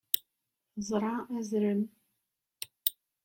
Teẓra azrem.